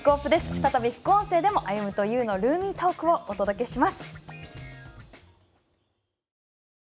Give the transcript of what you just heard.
再び副音声でも「歩と優のルーミートーク」をお届けします！